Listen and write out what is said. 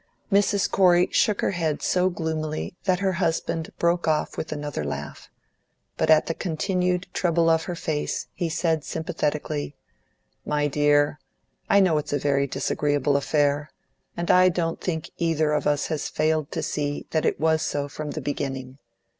Mrs. Corey shook her head so gloomily that her husband broke off with another laugh. But at the continued trouble of her face, he said, sympathetically: "My dear, I know it's a very disagreeable affair; and I don't think either of us has failed to see that it was so from the beginning.